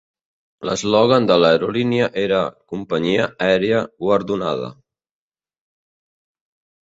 L'eslògan de l'aerolínia era "Companyia aèria guardonada".